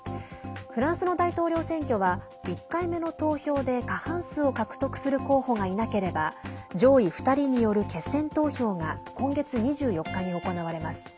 フランスの大統領選挙は１回目の投票で過半数を獲得する候補がいなければ上位２人による決選投票が今月２４日に行われます。